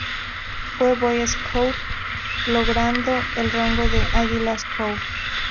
Fue Boy Scout, logrando el rango de Águila Scout.